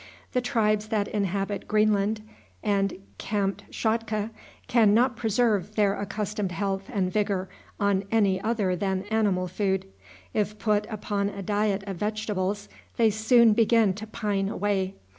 The tribes that inhabit Greenland and Kamtschatka can not preserve their accustomed health and vigor on any other than animal food. If put upon a diet of vegetables they soon begin to pine away.